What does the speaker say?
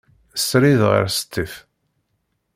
Srid seg Sṭif.